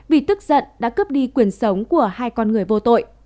vì tức giận đã cướp đi quyền sống của hai con người vô tội